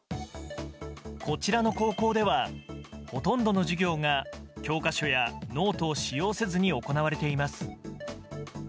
こちらの高校ではほとんどの授業が教科書やノートを使用せずに行われています。